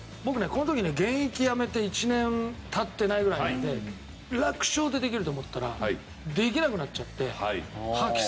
この時ね現役やめて１年経ってないぐらいなので楽勝でできると思ったらできなくなっちゃって吐きそうになったんです。